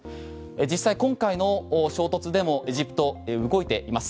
実際今回の衝突でもエジプト動いています。